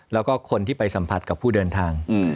แล้วก็คนที่ไปสัมผัสกับผู้เดินทาง